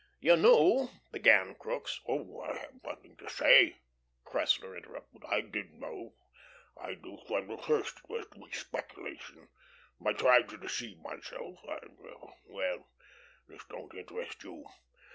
"You knew " began Crookes. "Oh, I have nothing to say," Cressler interrupted. "I did know. I knew from the first it was to be speculation. I tried to deceive myself. I well, this don't interest you.